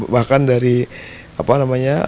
bahkan dari apa namanya